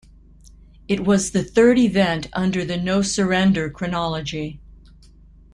It was the third event under the No Surrender chronology.